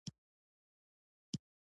ما ورته وویل: هغه کله ولاړه، په کوم وخت؟